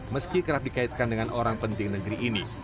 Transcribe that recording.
meski kerap dikaitkan dengan orang penting negeri ini